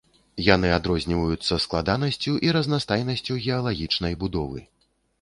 Яны адрозніваюцца складанасцю і разнастайнасцю геалагічнай будовы.